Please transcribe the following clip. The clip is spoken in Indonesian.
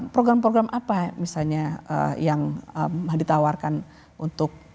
program program apa misalnya yang ditawarkan untuk